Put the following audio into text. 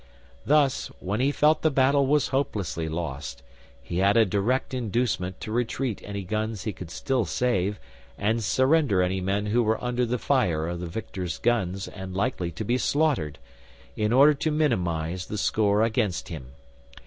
Thus, when he felt the battle was hopelessly lost, he had a direct inducement to retreat any guns he could still save and surrender any men who were under the fire of the victors' guns and likely to be slaughtered, in order to minimise the score against him.